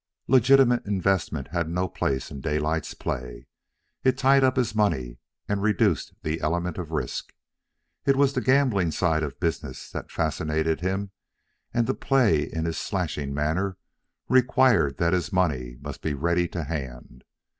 Legitimate investment had no place in Daylight's play. It tied up his money, and reduced the element of risk. It was the gambling side of business that fascinated him, and to play in his slashing manner required that his money must be ready to hand.